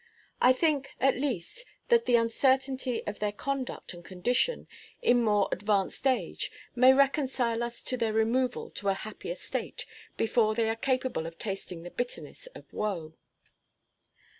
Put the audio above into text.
I think, at least, that the uncertainty of their conduct and condition in more advanced age may reconcile us to their removal to a happier state before they are capable of tasting the bitterness of woe.